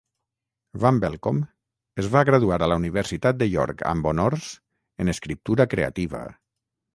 Van Belkom es va graduar a la Universitat de York amb honors en escriptura creativa.